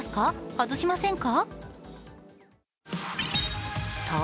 外しませんか？